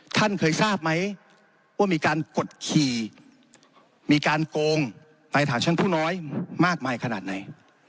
ท่านเคยทราบไหมว่ามีการกดขี่มีการโกงไปฐานชั้นผู้น้อยมากมายขนาดไหน